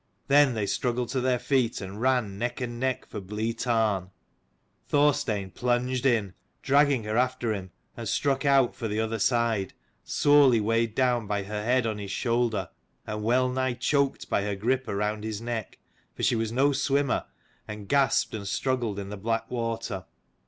Then they struggled to their feet and ran neck and neck for Blea tarn. Thorstein plunged in, dragging her after him, and struck out for the other side, sorely weighed down by her head on his shoulder, and well nigh choked by her grip round his neck; for 'she was no swimmer, and gasped and struggled in the black water.